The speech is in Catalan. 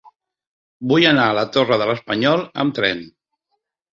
Vull anar a la Torre de l'Espanyol amb tren.